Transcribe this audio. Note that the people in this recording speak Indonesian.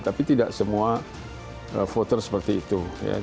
tapi tidak semua voter seperti itu